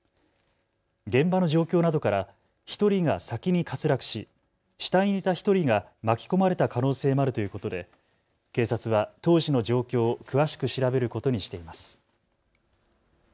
現場の状況などから１人が先に滑落し、下にいた１人が巻き込まれた可能性もあるということで警察は当時の状況を詳しく調べることにしています。